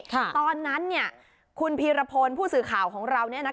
ตอนนั้นเนี่ยคุณพีรพลผู้สื่อข่าวของเราเนี่ยนะ